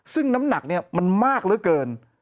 ซึ่งน้ำหนักเนี่ยมันมากเหลือเกิน